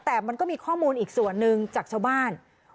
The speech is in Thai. แต่มันก็มีข้อมูลอีกส่วนหนึ่งจากชาวบ้าน